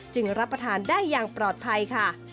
รับประทานได้อย่างปลอดภัยค่ะ